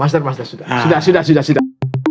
master master sudah sudah sudah